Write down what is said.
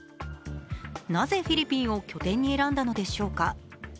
なぜフィリピンを拠点に選んだのでしょうか。